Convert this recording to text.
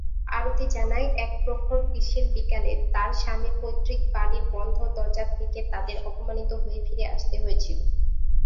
আরতি জানায়, এক প্রখর গ্রীষ্মের বিকেলে, তার স্বামীর পৈতৃক বাড়ির বন্ধ দরজা থেকে তাদের অপমানিত হয়ে ফিরে আসতে হয়েছিল।